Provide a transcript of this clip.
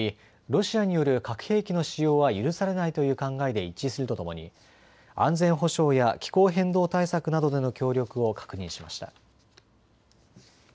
ロシアによる核兵器の使用は許されないという考えで一致するとともに安全保障や気候変動対策などでの協力を確認しました。